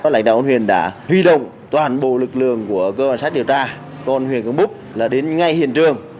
lãnh đạo huyện đã huy động toàn bộ lực lượng của công an xã điều tra công an huyện crong buc là đến ngay hiện trường